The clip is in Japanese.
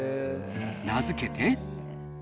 名付けて。